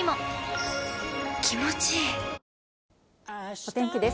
お天気です。